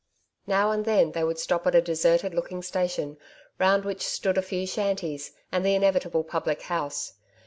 Now and then, they would stop at a deserted looking station, round which stood a few shanties, and the inevitable public house.